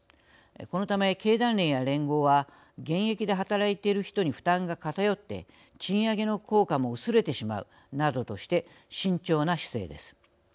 このため、経団連や連合は現役で働いている人に負担が偏って賃上げの効果も薄れてしまうなどとして慎重な姿勢です。